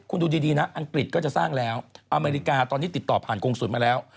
คุณดูดีนะอังกฤษก็จะสร้างแล้วอเมริกาตอนนี้ติดต่อผ่านกรงศูนย์มาแล้ว